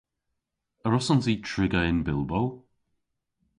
A wrussons i triga yn Bilbo?